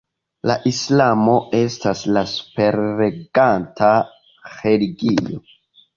La islamo estas la superreganta religio.